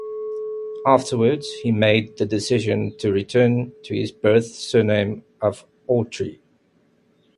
Afterwards, he made the decision to return to his birth surname of Autry.